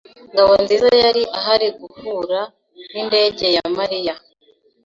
Ngabonziza yari ahari guhura nindege ya Mariya.